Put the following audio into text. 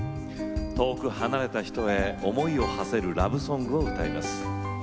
遠く離れた人へ思いをはせるラブソングを歌います。